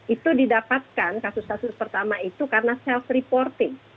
itu didapatkan kasus kasus pertama itu karena self reporting